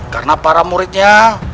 karena para muridnya